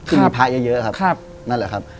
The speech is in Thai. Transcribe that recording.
ซึ่งมีพระเยอะครับนั่นแหละครับ